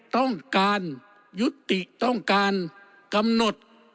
ต้องการยุติต้องการกำหนด